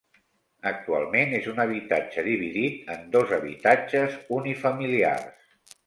Actualment és un habitatge dividit en dos habitatges unifamiliars.